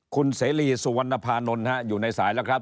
คุณเสรีสุวรรณภานนท์อยู่ในสายแล้วครับ